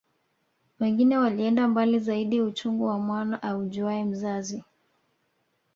Wengine walienda mbali zaidi uchungu wa mwana aujuae mzazi